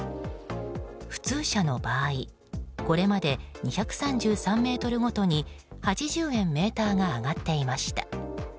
普通車の場合これまで２３３ｍごとに８０円メーターが上がっていました。